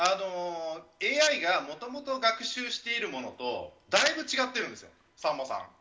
ＡＩがもともと学習しているものと、だいぶ違ってるんですよ、さんまさん。